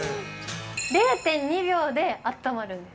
０．２秒であったまるんです。